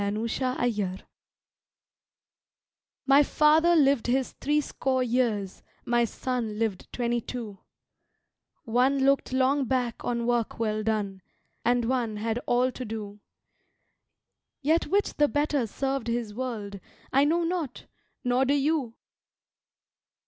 Killed in Action MY father lived his three score years; my son lived twenty two; One looked long back on work well done, and one had all to do Yet which the better served his world, I know not, nor do you!